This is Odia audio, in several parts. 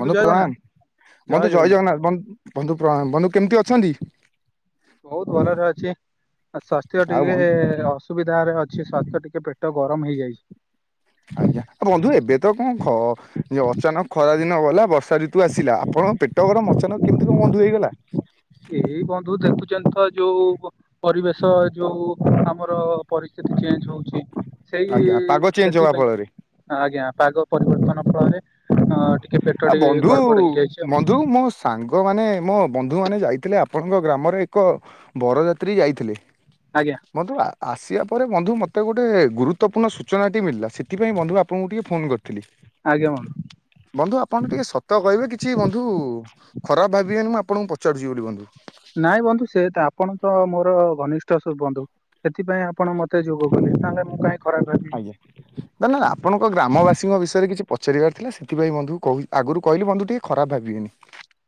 ବନ୍ଧୁ ଜୟ ଜଗନ୍ନାଥ ପ୍ରଣାମ ବନ୍ଧୁ ଜୟ ଜଗନ୍ନାଥ ବନ୍ଧୁ ପ୍ରଣାମ ବନ୍ଧୁ କେମିତି ଅଛନ୍ତି? ବହୁତ ଭଲରେ ଅଛି ସ୍ୱାସ୍ଥ୍ୟ ଆଉ ବନ୍ ଟିକେ ଅସୁବିଧାରେ ଅଛି ସଵାସ୍ଥ୍ୟ ଟିକେ ପେଟ ଗରମ ହେଇଯାଇଛି। ଆଜ୍ଞା ବନ୍ଧୁ ଏବେ ତ କଣ ଅଚାନକ ଖରା ଦିନ ଗଲା ବର୍ଷା ଋତୁ ଆସିଲା ଆପଣଙ୍କ ପେଟ ଗରମ ଅଚାନକ କେମିତି କଣ ବନ୍ଧୁ ହେଇଗଲା। ଏଇ ବନ୍ଧୁ ଦେଖୁଛନ୍ତିଛନ୍ତି ତ ଯୋଉ ପରିବେଶ ଯୋଉ ଆମର ପରିସ୍ଥିତି। ଚେଞ୍ ହଉଛି ସେଇ ଆଜ୍ଞା ପାଗ ଚେଞ୍ଜ ହବା ସେଥିପାଇଁ ଫଳରେ ଆଜ୍ଞା ପାଗ ପରିବର୍ତ୍ତନ ଫଳରେ ଅ ଟିକେ ପେଟ ଓହ ଟିକେ ବନ୍ଧୁ ଗଡବଡ ହେଇଯାଇଛି ଆଉ ବନ୍ଧୁ ମୋ ସାଙ୍ଗ ମାନେ ମୋ ବନ୍ଧୁମାନେ ଯାଇଥିଲେ ଆପଣଙ୍କ ଗ୍ରାମରେ ଏକ ବରଯାତ୍ରୀ ଯାଇଥିଲେ ଆଜ୍ଞା ବନ୍ଧୁ ଆସିବା ପରେ ବନ୍ଧୁ ମୋତେ ଗୋଟିଏ ଗୁରୁତ୍ୱପୂର୍ଣ୍ଣ ସୂଚନାଟି ମିଳା ସେଥିପାଇଁ ବନ୍ଧୁ ଆପଣଙ୍କୁ ଟିକିଏ ଫୋନ୍ କରିଥିଲି। ଆଜ୍ଞା ବନ୍ଧୁ। ବନ୍ଧୁ ଆପଣ ଟିକେ ସତ କହିବେ କିଛି ବନ୍ଧୁ ଖରାପ ଭାବିବେନି ମୁଁ ଆପଣଙ୍କୁ ପଚାରୁଛିିବ ବୋଲି ବନ୍ଧୁ। ନାଇଁ ବନ୍ଧୁ ସେ ଆପଣ ତ ମୋର ଘନିଷ୍ଠ ବନ୍ଧୁ ସେଥିପାଇଁ ଆପଣ ମତେ ଯୋଗ କଲେ। ତାଙ୍କେ ମୁଁ କାଇ ଆଜ୍ଞା ନା ନା ଆପଣଙ୍କ ଗ୍ରାମବାସୀଙ୍କ ବିଷୟରେ କିଛି ପଚାରିବାର ଥିଲା ସେଥିପାଇଁ ବନ୍ଧୁକୁ କ ଆଗରୁ କହିଲି ବନ୍ଧୁ ଟିକଏ ଖରାପ ଭାବିବେନି।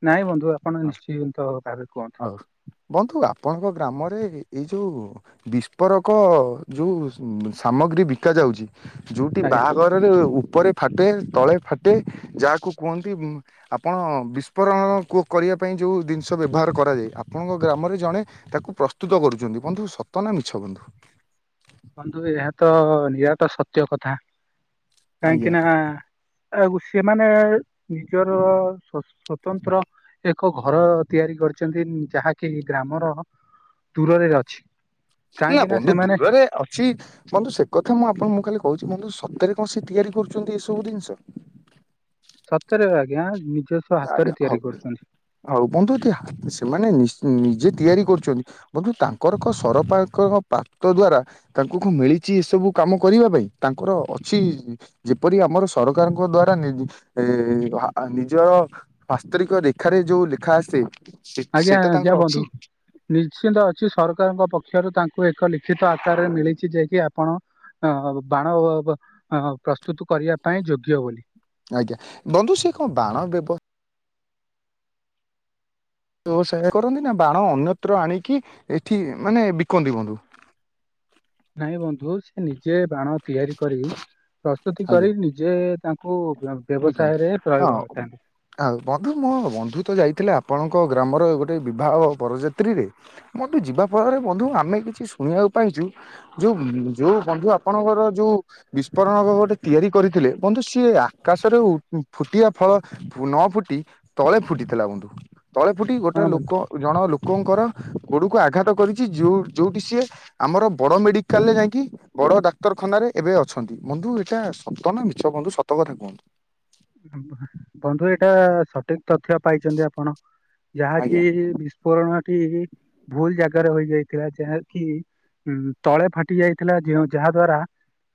ନାଇଁ ବନ୍ଧୁ ଆପଣ ନିଶ୍ଚିନ୍ତ ଭାବରେ କୁହନ୍ତୁ। ହଉ ବନ୍ଧୁ ଆପଣଙ୍କ ଗ୍ରାମରେ ଏଇ ଯେଉଁ ବିସ୍ଫୋରକ ଯେଉଁ ସାମଗ୍ରୀ ବିକାଯାଉଛି ଯୋଉଠି ଆଜ୍ଞା। ବାହାଘରରେ ଉପରେ ଫାଟେ ତଳେଫା ଗୋଟେ ଯାହାକୁ କୁହନ୍ତି ଆପଣ ବିସ୍ଫୋରଣ କରିବା ପାଇଁ ଯେଉଁ ଜିନିଷ ବ୍ୟବହାର କରୁ ଆପଣଙ୍କ ଗ୍ରାମରେ ଜଣେ ତାକୁ ପ୍ରସ୍ତୁତ କରୁଛନ୍ତି ବନ୍ଧୁ ସତନା ମିଛ ବନ୍ଧୁ? ବନ୍ଧୁ ଏହାତ ନିରାଟ ସତ୍ୟ କଥା ଆଜ୍ଞା କାହିଁକିନା। ଆଉ ସେମାନେ ନିଜର ସ୍ୱତନ୍ତ୍ର ଏକ ଘର ତିଆରି କରି କରିଛନ୍ତି ଯାହାକି ଗ୍ରାମର ଦୂରରେ ଅଛି। କାହିଁକି ନା ନାବନ୍ଧୁ ସେମାନେ ଦୂରରେ ଅଚି ବନ୍ଧୁ ସେ କଥା ମୁଁ ଆପଣଙ୍କୁଁ ଖାଲି କହୁଛି ବନ୍ଧୁ ସତରେ କଣ ସେ ତିଆରି କରୁଛନ୍ତି ଏସବୁ ଜିନିଷ? ସତରେ ଆଜ୍ଞା ନିଜସ୍ଵ ହାତରେ ତିଆରି କରୁଛନ୍ତି। ଆଉ ବନ୍ଧୁ ସେମାନେ ନିଜେ ତିଆରି କରୁଛନ୍ତି ବନ୍ଧୁ ତାଙ୍କ ତାଙ୍କର ସରପାରଙ୍କ ପାତ ଦ୍ଵାରା ତାଙ୍କୁଙ୍କ ମିଳିଛି ଏସବୁ କାମ କରିବା ପାଇଁ ତାଙ୍କର କିଛି ଯେପରି ଆମର ସରକାରଙ୍କ ଦ୍ଵାରା ଏ ନିଜର ବାସ୍ତରିକ ରେଖାରେ ଯୋଉ ଲେଖା ଆସେ ସେ- ଆଜ୍ଞା ସେଇଟା ତାଙ୍କର ଆଜ୍ଞା ଅଛି ବନ୍ଧୁ ନିଶ୍ଚିନ୍ତ ଅଛି ସରକାରଙ୍କ ପକ୍ଷରୁ ତାଙ୍କ କୁଏକ ଲିଖିତ ଆକାରରେ ମିଳିଛି ଯଏକିି ଆପଣ ହୁଁ ଆଉ ବାଣ ପ୍ରସ୍ତୁତ କରିବା ପାଇଁ ଯୋଗ୍ୟ ବୋଲି। ଆଜ୍ଞା ବନ୍ଧୁ ସେ କଣ ବାଣ ବ୍ୟବ ବ୍ୟସାୟ କରନ୍ତିନା ବାଣ ଅନ୍ୟତ୍ର ଆଣିକି ଏଠି ମାନେ ବିକନ୍ତି ବନ୍ଧୁ? ନାଇଁ ବନ୍ଧୁ ସେ ନିଜେ ବାଣ ତିଆରି କରି ପ୍ରସ୍ ସ୍ତୁତି ଆଜ୍ଞା କରି ନିଜେ ତାଙ୍କୁ ବିକନ୍ତି ବ୍ୟବସାୟରେ ପ୍ରୟୋଗ ହଁ କରିଥାନ୍ତି। ଆଉ ବନ୍ଧୁମୋ ବନ୍ଧୁତ ଯାଇଥିଲେ ଆପଣ ଆପଣଙ୍କ ଗ୍ରାମର ଗୋଟେ ବିବାହ ବରଯାତ୍ରୀରେ ବନ୍ଧୁ ଯିବା ଫଳରେ ବନ୍ଧୁ ଆମେ କିଛି ଶୁଣିବାକୁ ପାଇଛୁ ଯୋଉ ଯୋଉ ବନ୍ଧୁ ଆପଣଙ୍କର ଯୋଉ ବିସ୍ଫୋରଣ ତିଆରି କରିଥିଲେ ବନ୍ଧୁ ସିଏ ଆକାଶରେ ଫୁଟିବା ଫଳ ନଫୁଟି ତଳେ ଫୁଟିଥିଲା ବନ୍ଧୁ। ତଳେ ଫୁଟି ଗୋଟେ ହଁ ବନ୍ଧୁ। ଲୋକ ଜଣ ଲୋକଙ୍କର ଗୋଡକୁ ଆଘାତ କରିଛି ଯୋଉ ଯୋଉଠି ସିଏ ଆମର ବଡ ମେଡିକାଲରେ ଯାଇକି ବଡ ଡାକ୍ତରଖାନାରେ ଏବେ ଅଛନ୍ତି ବନ୍ଧୁ ଏଇଟା ସତନା ମିଛ ବନ୍ଧୁ ସତ କଥା କୁହନ୍ତୁ। ବନ୍ଧୁ ଏଇଟା ସଠିକ ତଥ୍ୟ ପାଇଛନ୍ତି ଆପଣ ଯାହାକି ଆଜ୍ଞା ବିସ୍ଫୋରଣ। ଟି ଭୁଲ ଜାଗାରେ ହୋଇଯାଇଥିଲା ଯାହା କିି? ହୁଁ ତଳେ ଫାଟି ଯାଇଥିଲା ଯେଉଁ ଯାହା ଦ୍ଵାରା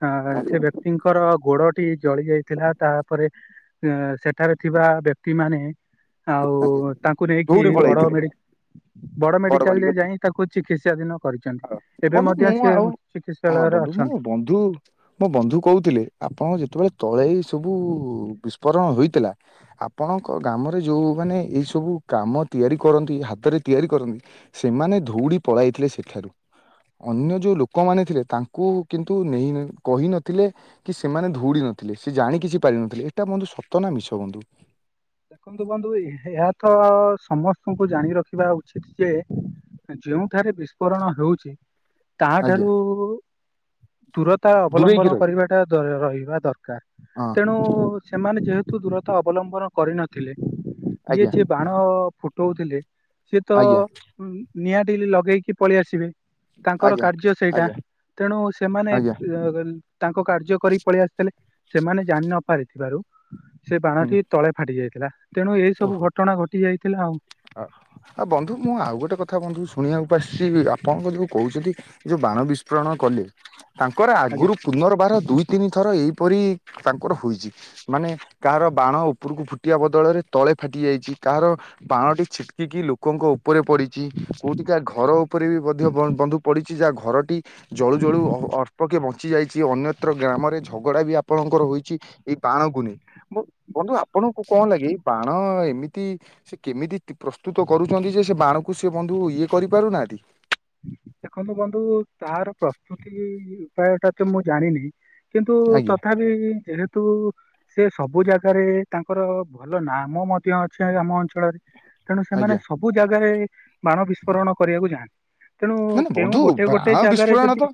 ଅ ଆଜ୍ଞା। ସେ ବ୍ୟକ୍ତିଙ୍କର ଗୋଡଟି ଜଳି ଯାଇଥିଲା ତାପରେ ଅ ସେଠାରେ ଥିବା ବ୍ୟକ୍ତି ମାନେ ଆଉ ଆଜ୍ଞା। ତାଙ୍କୁ ନେଇକି ଧଉଳି ବଡ ପଳେଇଥିଲି ମେଡି ବଡ ମେଡିକାଲରେ ଯାଇ ତାକୁ ଚିକିତ୍ସା ଛନ୍ତି ହଁ ଏବେ ବନ୍ଧୁ ମଧ୍ୟ ମୁଁ ସିଏ ଆଉ ହଁ ବନ୍ଧୁ ମୋ ବନ୍ଧୁ ମୋ ବନ୍ଧୁ କହୁଥିଲେ ଆପଣ ଯେତେବେଳେ ତଳେହିଁ ସବୁ ବିସ୍ଫୋରଣ ହୋଇଥିଲା ଆପଣଙ୍କ ଗ୍ରାମରେ ଯୋଉମାନେ ଏଇ ସବୁ କାମ ତିଆରି କରନ୍ତି ହାତରେ ତିଆରି କରନ୍ତି ସେମାନେ ଧଉଡି ପଳାଇଥିଲେ ସେଠାରୁ। ଅନ୍ୟ ଯୋଉ ଲୋକମାନେ ଥିଲେ ତାଙ୍କୁ କିନ୍ତୁ ନେଇ କହିନଥିଲେ କି ସେମାନେ ଧଉଡି ନଥିଲେ। ସେ ଜାଣିକିଛି ପାରିନଥିଲେ ଏଟା ବନ୍ଧୁ ସତନା ମିଛ ବନ୍ଧୁ। ଦେଖନ୍ତୁ ବନ୍ଧୁ ଏହାତ ସମସ୍ତଙ୍କୁ ଜାଣି ରଖିବା ଉଚିତ ଯେ ଯେଉଁ ଯୋଉଠାରେ ବିସ୍ଫୋରଣ ହେଉଛି ଆଜ୍ଞା ତାହାଠାରୁ ଦୂରତା ଦୂରେଇକି ଅବଲମ୍ବନ ରହି କରିବାଟା ରହିବା ଦରକାର ହଁ ତେଣୁ ସେମାନେ ଯେହେତୁ ଦୂରତା ଅବଲମ୍ବନ କରିନଥିଲେ ଇଏ ଆଜ୍ଞା ଯିଏ ବାଣ ଫୁଟଉଥିଲେ ସିଏତ ଆଜ୍ଞା ନିଆଁଟି ଲଗେଇକି ପଳେଇ ଆସିବେ। ତାଙ୍କର ଆଜ୍ଞା କାର୍ଯ୍ୟ ସେଇଟା ଆଜ୍ଞା ତେଣୁ ସେମାନେ ଆଜ୍ଞା ଆଜ୍ଞା ତାଙ୍କ କାର୍ଯ୍ୟ କରି ପଳେଇ ଆସିଥିଲେ ସେମାନେ ଜାଣିନ ପାରିଥିବାରୁ ସେ ହୁଁ ବାଣଟି ତଳେ ଫାଟି ଯାଇଥିଲେ। ଓହୋ ଆଉ ଆଉ ବନ୍ଧୁ ମୁଁ ଆଉ ଗୋଟେ କଥା ବନ୍ଧୁ ଶୁଣିବାକୁ ଆପଣ ତ ଯଉ କହୁଛନ୍ତି ଯୋଉ ବାଣ ବିସ୍ଫୋରଣ କଲେ? ତାଙ୍କର ଆଜ୍ଞା ଆଗରୁ ପୁନର୍ବାର ଦୁଇ ତିନି ଥର ଏଇ କିପରି ତାଙ୍କର ହୋଇଛି ମାନେ କାହାର ବାଣ ଉପରକୁ ଫୁଟିବା ବଦଳରେ ତଳେ ଫାଟିଯାଇଛି କାହାର ବାଣଟି ଛିଟିକିକି ଲୋକଙ୍କ ଉପରେ ପଡ଼ିଛି କଉଠି କାହା ଘର ଉ ଉପରେ ବି ମଧ୍ୟ ବନ୍ଧୁ ପଡିଛି ଯାହା ଘରଟି ଜଳୁ ଜଳୁ ଅଳପ କେ ବ ଯାଇଛି ଅନ୍ୟତ୍ର ଗ୍ରାମରେ ଝଗଡା ବି ଆପଣଙ୍କର ହୋଇଛି ଏଇ ବାଣକୁ ନେଇ। ମୁଁ ବନ୍ଧୁ ଆପଣ ଆପଣଙ୍କୁ କଣ ଲାଗି? ବାଣ ଏମିତି ସେ କେମିତି ପ୍ରସ୍ତୁତ କରୁଛନ୍ତି ଯେ ସେ ବାଣକୁ ସେ ବନ୍ଧୁ ଇଏ କରିପାରୁନା ତି। ଦେଖନ୍ତୁ ବନ୍ଧୁ ତାର ପ୍ରସ୍ତୁତି ଉପାୟ ଟା ତ ମୁଁ ଜାଣିନି କିନ୍ତୁ ଆଜ୍ଞା ତଥାପି ଯେହେ ତୁ ସେ ସବୁ ଜାଗାରେ ତାଙ୍କର ଭଲ ନାମ ମଧ୍ୟ ଅଛି ଆମ ଅଞ୍ଚଳରେ। ତେଣୁ ସେମାନେ ଆଜ୍ଞା ସବୁ ଜାଗାରେ ବାଣ ବିସ୍ଫୋରଣ କରିବାକୁ ଯାଆନ୍ତି। ତେଣୁ ମାନେ କେଉଁ ବନ୍ଧୁ ଗୋଟେ ଗୋଟେ ବାଣ ଜାଗାରେ ବିସ୍ଫୋରଣ ଯଦି ତ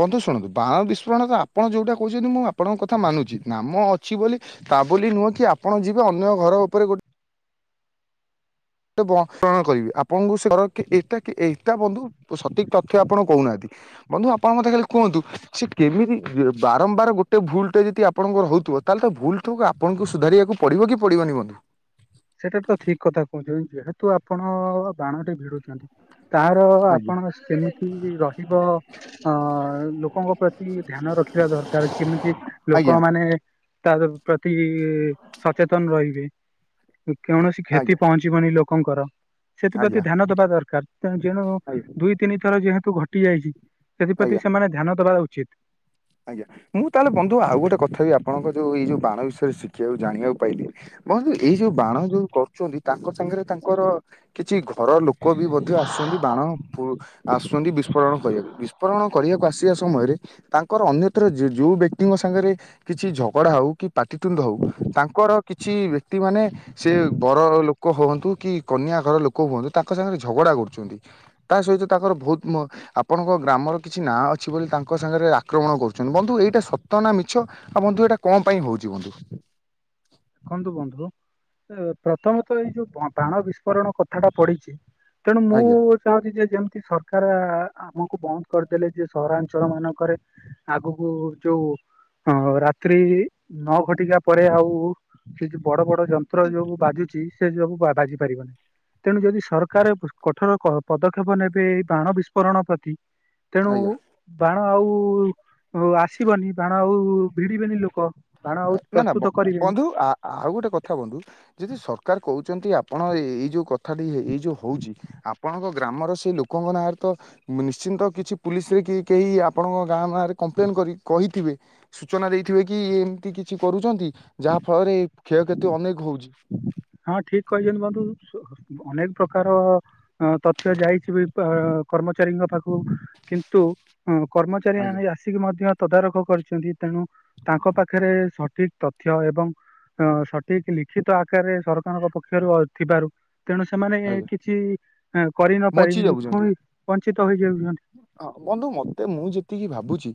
ବନ୍ଧୁ ଶୁଣନ୍ତୁ ବାଣ ବିସ୍ଫୋ ଶୁଣନ୍ତୁ ଆପଣ ଯୋଉଟା କହୁଛନ୍ତି ମୁଁ ଆପଣଙ୍କ କଥା ମାନୁଛି ନାମ ଅଛି ବୋଲି ତା ବୋଲି ନୁହ କି ଆପଣ ଯିବେ ଅନ୍ୟ ଘର ଉପରେ ଗୋଟେ [unintelligible] କରିବି ଆପଣଙ୍କୁ ସହର କି ଏଇଟା କି ଏଇଟା ବନ୍ଧୁ ସଠିକ ତଥ୍ୟ ଆପଣ କହୁନାହାନ୍ତି। ବନ୍ଧୁ ଆପଣ ମତେ ଖାଲି କୁହନ୍ତୁ ସେ କେମିତି ବାରମ୍ବାର ଗୋଟେ ଭୁଲ ଟେ ଯଦି ଆପଣଙ୍କର ହଉ ଥିବ ତାହେଲେ ଭୁଲ ଠୁକ୍ ଆପଣଙ୍କୁ ସୁଧାରିବାକୁ ପଡିବ କି ପଡିବନି ବନ୍ଧୁ? ସେଟା ତ ଠିକ କଥା କହୁଛନ୍ତି ଯେହେତୁ ଆପଣ ବାଣଟି ଭିଡୁଛନ୍ତି ତାର ଆଜ୍ଞା ଆପଣ ସେମିତି ରହିବ ଅ ଲୋକଙ୍କ ପ୍ରତି ଧ୍ୟାନ ରଖ ଖିବା ଦରକାର କେମିତି ଆଜ୍ଞା ଲୋକମାନେ ତା ପ୍ରତି ସଚେତନ ରହିବେ। କୌଣସି କ୍ଷତି ଆଜ୍ଞା ପହଞ୍ଚିବନି ଲୋକଙ୍କର। ଆଜ୍ଞା ସେଥିପ୍ରତି ଧ୍ୟାନ ଦବା ଦରକାର ତେ ଯେଣୁ ଆଜ୍ଞା ଦୁଇ, ତିନି ଥର ଯେହେତୁ ଘଟି ଯାଇଛି ଆଜ୍ଞା ସେଥିପ୍ରତି ସେମାନେ ଧ୍ୟାନ ଦବା ଉଚିତ। ଆଜ୍ଞା ମୁଁ ତାହେଲେ ବନ୍ଧୁ ଆଉ ଗୋଟେ କଥା ବି ଆପଣଙ୍କ ଯୋଉ ଏଇ ଯୋଉ ବାଣ ବିଷ ଶିଖିବାକୁ ଜାଣିବାକୁ ପାଇଲିି ବନ୍ଧୁ ଏଇ ଯୋଉ ବାଣ ଯୋଉ କରୁଛନ୍ତି ତାଙ୍କ ସାଙ୍ଗରେ ତାଙ୍କର କିଛି ଘର ଲୋକ ବି ମଧ୍ୟ ଆସୁଛନ୍ତି ବାଣ ଆସୁଛନ୍ତି ବିସ୍ଫୋରଣ କରିବାକୁ ବିସ୍ଫୋରଣ କରିବାକୁ ଆସିବା ସମୟରେ ତା ଙ୍କର ଅନ୍ୟତ୍ର ଯୋଉ ବ୍ୟକ୍ତିଙ୍କ ସାଙ୍ଗରେ କିଛି ଝଗଡା ହଉ କି ପାଟିତୁଣ୍ଡ ହଉ ତାଙ୍କର କିଛି କି ବ୍ୟକ୍ତି ମାନେ ସେ ବର ଲୋକ ହୁଅନ୍ତୁ କି କନ୍ୟା ଘର ଲୋକ ହୁଅନ୍ତୁ ତାଙ୍କ ସାଙ୍ଗରେ ଝଗଡା କରୁ ଚନ୍ତି ତା ସହିତ ତାଙ୍କର ବହୁତ ଆପଣଙ୍କ ଗ୍ରାମର କିଛି ନାଁ ଅଛି ବୋଲି ତାଙ୍କ ସାଙ୍ଗରେ ଆକ୍ରମଣ କରୁଚନ୍ତି ବନ୍ଧୁ ଏଇଟା ସତ ନା ମିଛ ଆଉ ବନ୍ଧୁ ଏଇଟା କଣ ପାଇଁ ହଉଛି ବନ୍ଧୁ? ଦେଖନ୍ତୁ ବନ୍ଧୁ ପ୍ରଥମତଃ ଏଇ ଯୋଉ ବାଣ ବିସ୍ଫୋରଣ କଥାଟା ପଢିଚି ତେଣୁ ମୁଁ ଆଜ୍ଞା ଚାହୁଁଚି ଯେ ଯେ ସରକାର ଆମକୁ ବନ୍ଦ କରିଦେଲେ ଯେ ସହରାଞ୍ଚଳ ମାନଙ୍କରେ ଆଗକୁ ଯୋଉ ରାତ୍ରି ନଅ ଘଟିକା ପରେ ଆଉ ସେ ଯୋଉ ବଡ ବଡ ଯନ୍ତ୍ର ଯୋଉ ବାଜୁଛି ସେ ସବୁ ବାଜି ପାରିବନି। ତେଣୁ ଯଦି ସରକାର କଠୋର ପଦକ୍ଷେପ ନେବେ ଏଇ ବାଣ ବିସ୍ଫୋରଣ ପ୍ରତି ତେଣୁ ଆଜ୍ଞା ବା ବାଣ ଆଉ ଆସିବନି ବାଣ ଆଉ ଭିଡିବେନି ଲୋକ। ବାଣ ଆଉ ପ୍ରସ୍ତୁତ କରିବେନି। ଆ ଆଉ ଗୋଟେ କଥା ବନ୍ଧୁ ଯଦି ସରକାର କହୁ ଛନ୍ତି ଆପଣ ଏଇ ଯୋଉ କଥାଟି ଏଇ ଯୋଉ ହଉଚି ଆପଣଙ୍କ ଗ୍ରାମର ସେ ଲୋକଙ୍କ ନାଁରେ ତ ମୁଁ ନିଶ୍ଚିନ୍ତ କିଛି ପୁଲିସ ରେ କି କେହି ଆପଣଙ୍କ ଗାଁ ଗାଁରେ କମ୍ପ୍ଲେନ୍ କରି କହିଥିବେ ସୂଚନା ଦେଇଥିବେ କି କିଛି କରୁଛନ୍ତି ଯାହା ଫଳରେ କ୍ଷୟକ୍ଷତି ଅନେକ ହଉଚି। ହଁ, ଠିକ କହିଛନ୍ତି ବନ୍ଧୁ ଅନେକ ପ୍ରକାର ଅ ତଥ୍ୟ ଯାଇଛି ବି କର୍ମଚାରୀଙ୍କ ପାଖକୁ କିନ୍ତୁ। ହଁ କର୍ମଚାରୀ ଆଜ୍ଞା ଆଣି ଆସିକି ମଧ୍ୟ ତଦାରଖ କରିଚନ୍ତି ତେଣୁ ତାଙ୍କ ପାଖରେ ସଠିକ ତଥ୍ୟ ଏବଂ ଅ ସଠିକ ଲିଖିତ ଆକାରରେ ସରକାରଙ୍କ ପକ୍ଷରୁ ଅ ଥିବାରୁ ତେଣୁ ସେମାନେ ଆଜ୍ଞା କିଛି କରିନପାରି ବଞ୍ଚି ଯାଉଛନ୍ତି ଫୁଣି ବଞ୍ଚିତ ହେଇଯାଉଛନ୍ତି। ହଁ ବନ୍ଧୁ ମତେ ମୁଁ ଯେତିକି ଭାବୁଛି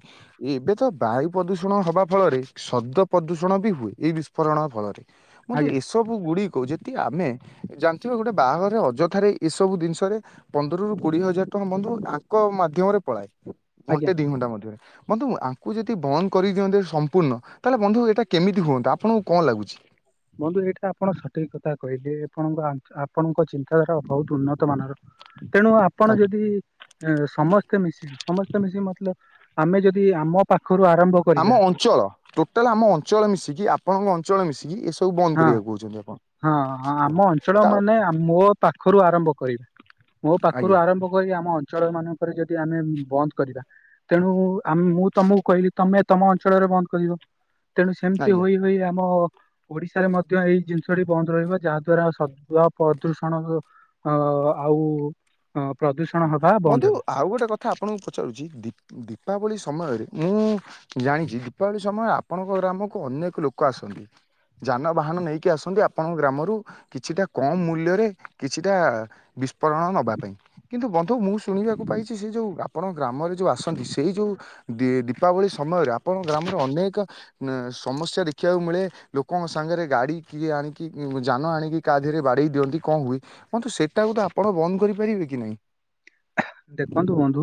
ଏବେ ତ ବାୟୁ ପ୍ରଦୂଷଣ ହବା ଫଳରେ ଶବ୍ଦ ପ୍ରଦୂଷଣ ବି ହୁଏ ଏହି ବିସ୍ଫୋରଣ ଫଳରେ ମୁନ୍ତ ଆଜ୍ଞା ଏସବୁ ଗୁଡିକ ଯେଦି ଆମେ ଜାଣିଥିବା ଗୁଟେ ବାହାଘରେ ଅଯଥାରେ ଏସବୁ ଜିନିଷରେ ପନ୍ଦରରୁୁ କୋଡିଏ ହଜାର ଟଙ୍କା ବନ୍ଧୁ ଆଙ୍କ ମାଧ୍ୟମରେ ପଳାଏ। ଘଣ୍ଟେ ଆଜ୍ଞା ଦି ଘଣ୍ଟା ମଧ୍ୟରେ। ବନ୍ଧୁ ଆଙ୍କୁ ଯଦି ବନ୍ଦ କରିଦିଅନ୍ତେ ସମ୍ପୂର୍ଣ୍ଣ ତାହେଲେ ବନ୍ଧୁ ଏଇଟା କେମିତି ହୁଅନ୍ତା ଆପଣଙ୍କୁ କଣ ଲାଗୁଛି। କହିଲି ଆପଣଙ୍କ ଆପଣଙ୍କ ଚିନ୍ତାଧାରା ବହୁତ ଉନ୍ନତ। ତ୍ତ ମାନର ତେଣୁ ଆପଣ ଆଜ୍ଞା ଯଦି ସମସ୍ତେ ମିଶିକି ସମସ୍ତେ ମିଶିକି ମତଲବ ଆମେ ଯଦି ଆମ ପା ଆମ ଅଞ୍ଚଳ ଟୋଟାଲ ଆମ ଅଞ୍ଚଳ ମିଶିକି ଆପଣଙ୍କ ଅଞ୍ଚଳ ମିଶିକି ଏସ ହଁ ହଁ ଓ ଆମ ଅଞ୍ଚଳ ତା ମାନେ ମୋ ପା ଖରୁ ଆରମ୍ଭ କରିବେ ମୋ ପାଖରୁ ଆଜ୍ଞା ଆରମ୍ଭ କରି ଆମ ଅଞ୍ଚଳ ମାନଙ୍କରେ ଯଦ ଦି ଆମେ ବନ୍ଦ କରିବା। ତେଣୁ ମୁଁଆମ ମୁଁ ତମକୁ କହିଲି ତମେ ତମ ଅଞ୍ଚଳରେ ବନ୍ଦ କରିଵ। ତେଣୁ ସେମିତି ଆଜ୍ଞା। ହୋଇ ହୋଇ ଆମ ଓଡିଶାରେ ମଧ୍ୟ ଏଇ ଜିନିଷଟି ବନ୍ଦ ରହିବ ଯାହାଦ୍ଵାରା ସଦୁଆ ପ୍ରଦୂଷଣ ଅ ଆଉ ପ୍ରଦୂଷଣ ହଁ। ହବା ବନ୍ଦ ବନ୍ଧୁ ହେବ। ଆଉ ଗୋଟେ କଥା ଆପଣଙ୍କୁ ପଚାରୁଚି, ଦିପ ଦୀପାବଳି ସମ୍ ସମୟରେ, ମୁଁ ଜାଣିଚି ଦୀପାବଳି ସମୟରେ ଆପଣଙ୍କ ଗ୍ରାମକୁ ଅନେକ ଲୋକ ଆସନ୍ତି। ଯାନବାହାନ ନେଇକି ଆସନ୍ତି, ଆପଣଙ୍କ ଗ୍ରାମରୁ କିଛିଟା କମ ମୂଲ୍ୟରେ କିଛିଟା ବିସ୍ଫୋ ରଣ ନବା ପାଇଁ। କିନ୍ତୁ ବନ୍ଧୁ ମୁଁ ଶୁଣିବାକୁ ପାଇଛି, ସେ ଯୋଉ ଆପଣଙ୍କ ଗ୍ରାମରେ ଯୋଉ ଆସନ୍ତି, ସେଇ ଯେଉ ଦୀ-ଦୀପାବଳି ସମୟ ଆପଣଙ୍କ ଗ୍ରାମରେ ଅନେକ ସମସ୍ୟା ଦେଖିବାକୁ ମିଳେ, ଲୋକଙ୍କ ସାଙ୍ଗରେ ଗାଡି କିଏ ଆଣି କି କିଏ ଯାନ ଆଣିକି କାହା ଦେହରେ ବାଡ଼େଇ ଦିଅନ୍ତି କଣ ହୁଏ, ବନ୍ଧୁ ସେଇଟାକୁ ତ ଆପଣ ବନ୍ଦ କରିପାରିବେ କି ନାହିଁ? ଦେଖନ୍ତୁ ବନ୍ଧୁ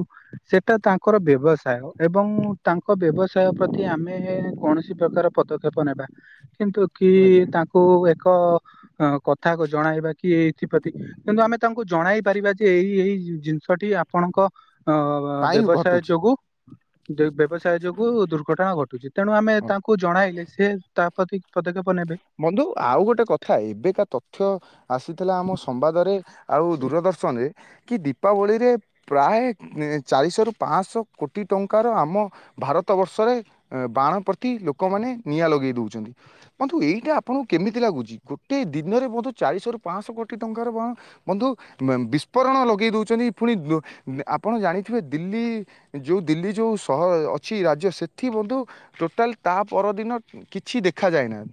ସେଟା ତାଙ୍କର ବ୍ୟବସାୟ ଏବଂ ତାଙ୍କ ବ୍ୟବସାୟ ପ୍ରତି ଆମେ ଆମେ କୌଣସି ପ୍ରକାର ପଦକ୍ଷେପ ନେବା କିନ୍ତୁ କି ଆଜ୍ଞା ତାଙ୍କୁ ଏକ ଅ କଥା ଜଣାଇବା କି ଏ ଏଥିପ୍ରତି କିନ୍ତୁ ଆମେ ତାଙ୍କୁ ଜଣାଇ ପାରିବା ଯେ ଏଇ ଏଇ ରିଜିନ ସଟି ଆପଣଙ୍କ ଅ ପାଇଁ ବ୍ୟବସାୟ ଘଟୁଛି। ଯୋଗୁ ବ୍ୟବସାୟ ଯୋଗୁ ଦୁର୍ଘଟଣା ଘଟୁଛି। ତେଣୁ ଆମେ ତାଙ୍କୁ ଜଣାଇଲେ ସେ ତା ପ୍ରତି ପଦକ୍ଷେପ ନେବେ ବନ୍ଧୁ ଆଉ ଗୋଟେ କଥା, ଏବେକା ତଥ୍ୟ ଆସିଥିଲା ଆମ ସମ୍ବାଦରେ ଆଉ ଦୂରଦର୍ଶନରେ କି ଦୀପାବଳିରେ ପ୍ରାୟ ଚାରିଶହରୁ ପାଞ୍ଚଶହ କୋଟି ଟଙ୍କାର ଆମ ଭାରତ ବର୍ଷରେ ବାଣ ପ୍ରତି ଲୋକମାନେ ନିଆଁ ଲଗେଇ ଦଉଛନ୍ତି। ବନ୍ଧୁ ଏଇ ଏ ଆପଣଙ୍କୁ କେମିତି ଲାଗୁଛି, ଗୋଟିଏ ଦିନରେ ବନ୍ଧୁ ଚାରିଶହରୁ ପାଞ୍ଚଶହ କୋଟି ଟଙ୍କାର ବାଣ ବନ୍ଧୁ ବିସ୍ଫୋରଣ ଲଗେଇ ଦଉଚନ୍ତି, ଫୁଣି ଆପଣ ଜାଣିଥିବେ ଦିଲ୍ଲୀ ଯୋଉ ଦିଲ୍ଲୀ ଯୋଉ ସହର ଅ-ଅଛି ରାଜ୍ୟ ସେଥି ବନ୍ଧୁ ଟୋଟାଲ ତା ପରଦିନ କିଛି ଦେଖାଯାଏନାହିଁ।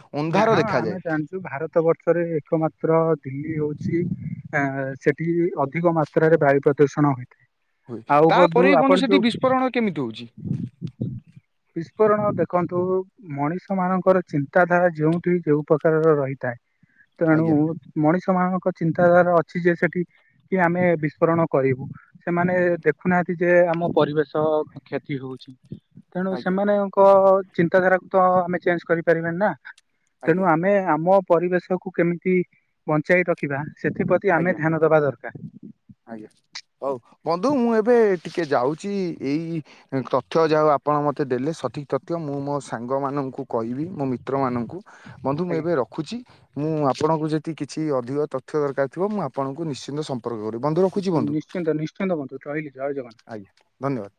ଆଜ୍ଞା ହଁ। ଆମେ ଜାଣିଛୁ ଭାରତ ବର୍ଷରେ ଏକମାତ୍ର ଦିଲ୍ଲୀ ହଉଛି ଆ ସେଠି ଅଧିକ ମାତ୍ରାରେ ବାୟୁ ପ୍ରଦୂଷଣ ହୋଇଥାଏ। ହୁଏ ଆଉ ବନ୍ଧୁ ତାପରେ ବି ଆପଣ ସେଠି ଯୋଉ ବିସ୍ଫୋରଣ କେମିତି ହଉଛି ବିସ୍ପୋରଣ ଦେଖନ୍ତୁ, ମଣିଷ ମାନଙ୍କର ଚିନ୍ତାଧାରା ଯେଉଁଠି ଯୋଉ ପ୍ରକାରର ରହିଥାଏ ତେଣୁ ଆଜ୍ଞା। ମଣିଷ ମାନଙ୍କ ଙ୍କ ଚିନ୍ତାଧାରା ଅଛି ଯେ ସେଠି କି ଆମେ ବିସ୍ଫୋରଣ କରିବୁ, ସେମାନେ ଦେଖୁନାହାଁନ୍ତି ଯେ ଆମ ପରିବେଶ କ୍ଷତି ହଉଛି। ତେଣୁ ଆଜ୍ଞା ସେମାନେଙ୍କ ଚିନ୍ତାଧାରାକୁ ତ ଆମେ ଚେଞ୍ଜ କରିପାରିବାନି ନା। ଆଜ୍ଞା ତେଣୁ ଆମେ ଆମ ପରିବେଶକୁୁ କେମିତି ବଞ୍ଚାଇ ରଖିବା ସେଥିପ୍ରତି ଆଜ୍ଞା ଆମେ ଧ୍ୟାନ ଦେବା ଦରକାର। ଆଜ୍ଞା। ହଉ ବନ୍ଧୁ ମୁଁ ଏବେ ଟିକେ ଯାଉଛି ଏଇ ତଥ୍ୟ ଯାହା ହଉ ଆପଣ ମୋତେ ଦେଲେ, ସଠିକ୍ ତଥ୍ୟ ମୁଁ ମୋ ସାଙ୍ଗମାନଙ୍କୁ କହିବି ମୋ ମିତ୍ରମାନଙ୍କୁ ବନ୍ଧୁ ମୁଁ ଆଜ୍ଞା ଏବେ ରଖୁଛି ମୁଁ ଆପଣଙ୍କୁ ଯଦି କିଛି ଅଧିକ ତଥ୍ୟ ଦରକାର ଥିବ, ମୁଁ ଆପଣଙ୍କୁ ନିଶ୍ଚିନ୍ତ ସମ୍ପର୍କ କର ବନ୍ଧୁ ରଖୁଛି ବନ୍ଧୁ। ନିଶ୍ଚିନ୍ତ ନିଶ୍ଚିନ୍ତ ବନ୍ଧୁ ରହିଲି ଜୟ ଜଗନ୍ନାଥ। ଆଜ୍ଞା ଧନ୍ୟବାଦ।